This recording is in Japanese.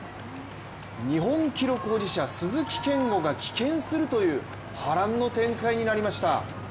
日本記録保持者、鈴木健吾が棄権するという波乱の展開になりました。